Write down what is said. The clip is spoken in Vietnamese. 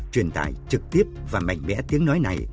truyền tải trực tiếp và mạnh mẽ tiếng nói này